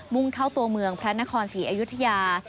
่งเข้าตัวเมืองพระนครศรีอยุธยา